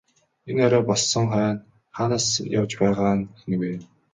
Энэ орой болсон хойно хаанаас явж байгаа нь энэ вэ?